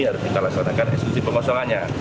harus dilaksanakan ekskusi penguasaannya